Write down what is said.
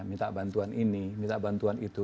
minta bantuan ini minta bantuan itu